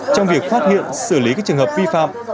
trong việc phát hiện xử lý các trường hợp vi phạm